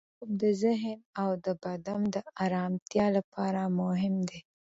پوره خوب د ذهن او بدن د ارامتیا لپاره مهم دی.